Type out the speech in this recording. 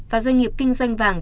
và doanh nghiệp kinh doanh vàng